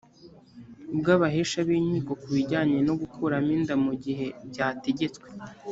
bw abahesha b inkiko ku bijyanye no gukuramo inda mu gihe byategetswe